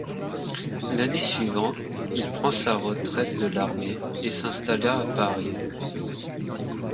L'année suivante, il prend sa retraite de l'armée et s'installa à Paris.